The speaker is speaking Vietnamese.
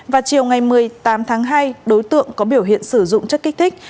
vào chiều ngày một mươi tám tháng hai đối tượng có biểu hiện sử dụng chất kích thích